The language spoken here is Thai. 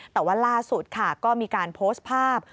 แต่ว่าล่าสุดค่ะก็มีการโพสต์ภาพ